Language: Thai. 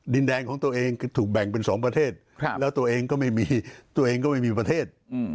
ดินแดงของตัวเองถูกแบ่งเป็น๒ประเทศแล้วตัวเองก็ไม่มีตัวเองก็ไม่มีประเทศ